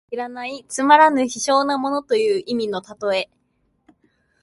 世の中を知らないつまらぬ卑小な者という意味の例え。